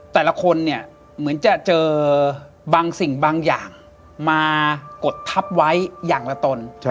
แต่ละคนเนี่ยเหมือนจะเจอบางสิ่งบางอย่างมากดทับไว้อย่างละตน